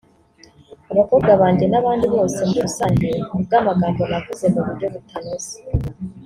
abakobwa banjye n’abandi bose muri rusange ku bw’amagambo navuze mu buryo butanoze”